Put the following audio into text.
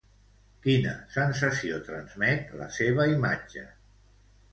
Quina sensació transmet la seva imatge?